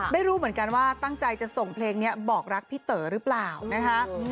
ไม่รู้เหมือนกันว่าตั้งใจจะส่งเพลงนี้บอกรักพี่เต๋อหรือเปล่านะคะ